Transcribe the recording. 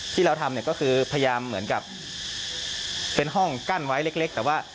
ที่เราทำเนี่ยก็คือพยายามเหมือนกับเป็นห้องกั้นไว้เล็กแต่ว่า